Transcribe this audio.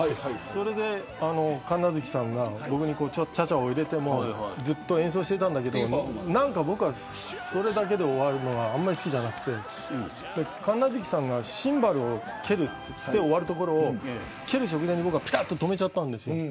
それで神無月さんが僕にちゃちゃを入れてもずっと演奏していたんだけれども僕はそれだけで終わるのはあまり好きじゃなくて神無月さんがシンバルを蹴って終わるところを蹴る直前に僕ぴたっと止めちゃったんです。